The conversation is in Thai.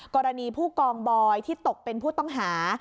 กรณีผู้กองบอยที่ตกเป็นผู้ต้องหา